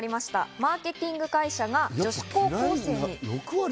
マーケティング会社が女子高校生に。